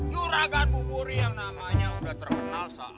nuragan buburi yang namanya udah terkenal seantara